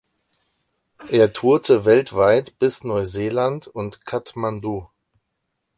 Er tourte weltweit bis Neuseeland und Kathmandu.